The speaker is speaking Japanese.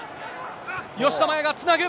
吉田麻也がつなぐ。